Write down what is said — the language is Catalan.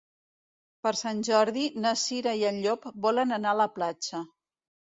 Per Sant Jordi na Cira i en Llop volen anar a la platja.